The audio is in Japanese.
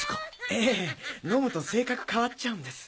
ええ飲むと性格変わっちゃうんです。